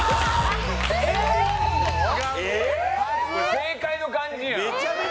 正解の感じやん！